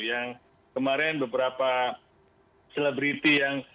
yang kemarin beberapa selebriti yang